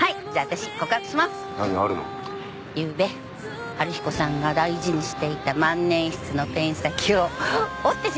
ゆうべ春彦さんが大事にしていた万年筆のペン先を折ってしまいました。